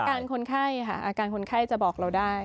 อาการคนไข้ค่ะอาการคนไข้จะบอกเราได้